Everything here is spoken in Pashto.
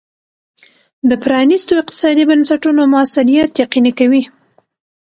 د پرانیستو اقتصادي بنسټونو موثریت یقیني کوي.